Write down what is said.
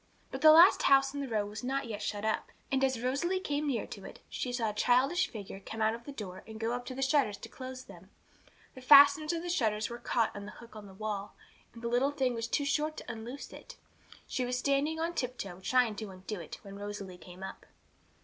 But the last house in the row was not yet shut up, and as Rosalie came near to it, she saw a childish figure come out of the door and go up to the shutters to close them. The fasteners of the shutters had caught in the hook on the wall, and the little thing was too short to unloose it. She was standing on tiptoe, trying to undo it, when Rosalie came up.